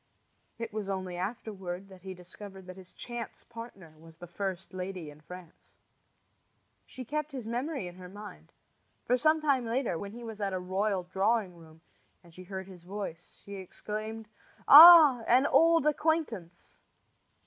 It was only afterward that he discovered that his chance partner was the first lady in France. She kept his memory in her mind; for some time later, when he was at a royal drawing room and she heard his voice, she exclaimed: "Ah, an old acquaintance!"